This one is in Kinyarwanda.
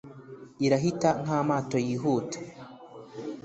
irahita nk’amato yihuta,